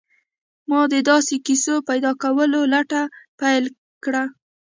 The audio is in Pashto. ما د داسې کیسو د پیدا کولو لټه پیل کړه